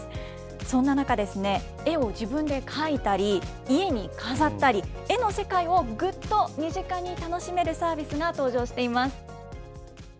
そんな中、絵を自分で描いたり、家に飾ったり、絵の世界をぐっと身近に楽しめるサービスが登場しています。